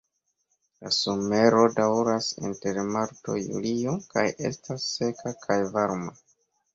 La somero daŭras inter marto-julio kaj estas seka kaj varma.